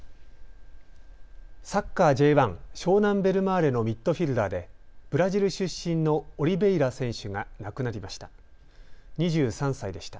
サッカーＪ１、湘南ベルマーレのミッドフィルダーでブラジル出身のオリベイラ選手が亡くなりました。